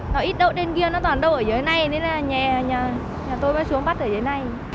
nó ít đậu đê kia nó toàn đậu ở dưới này nên là nhà tôi mới xuống bắt ở dưới này